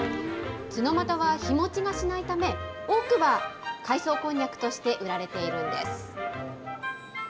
ツノマタは日持ちがしないため、多くは海藻こんにゃくとして売られているんです。